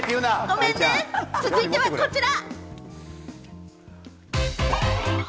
続いてはこちら。